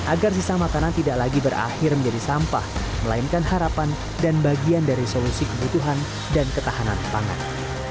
agar sisa makanan tidak lagi berakhir menjadi sampah melainkan harapan dan bagian dari solusi kebutuhan dan ketahanan pangan